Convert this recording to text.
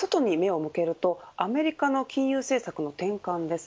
まず外に目を向けるとアメリカの金融政策の転換です。